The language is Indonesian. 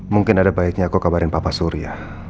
mungkin ada baiknya kok kabarin papa surya